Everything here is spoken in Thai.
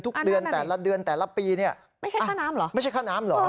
ทุกเดือนแต่ละเดือนแต่ละปีเนี่ยไม่ใช่ค่าน้ำเหรอไม่ใช่ค่าน้ำเหรอ